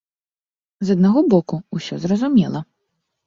З аднаго боку, усё зразумела.